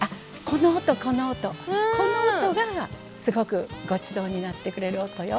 この音がすごくごちそうになってくれる音よ。